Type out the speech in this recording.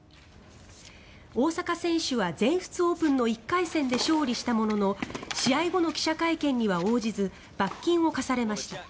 大坂選手は全仏オープンの１回戦で勝利したものの試合後の記者会見には応じず罰金を科されました。